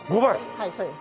はいそうです。